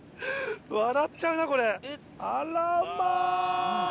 笑っちゃうなこれ。